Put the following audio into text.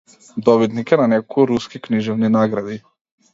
Добитник е на неколку руски книжевни награди.